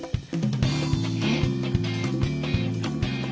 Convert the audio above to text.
えっ？